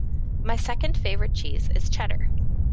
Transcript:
My second favourite cheese is cheddar.